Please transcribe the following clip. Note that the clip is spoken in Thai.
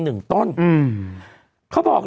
ถูกต้องถูกต้อง